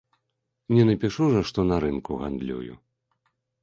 Не напішу жа, што на рынку гандлюю.